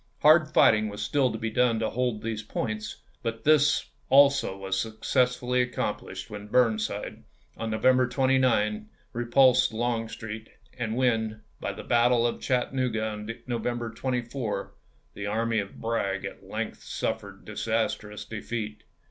Hard fighting was still to be done im. to hold these points, but this also was successfully accomplished when Burnside, on November 29, repulsed Longstreet ; and when, by the battle of Chattanooga on November 24, the army of Bragg at length suffered disastrous defeat.